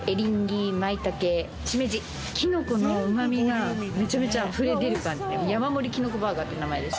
きのこのうま味がめちゃめちゃあふれ出る感じで山盛りきのこバーガーって名前です